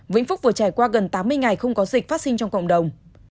vĩnh phúc vừa trải qua gần tám mươi ngày không có dịch phát sinh trong cộng đồng